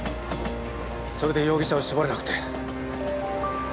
それで容疑者を絞れなくて。